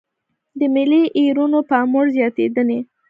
د ملي ايرونو پاموړ زياتېدنې.